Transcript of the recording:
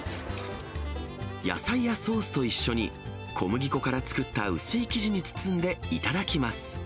野菜やソースと一緒に小麦粉から作った薄い生地に包んで頂きます。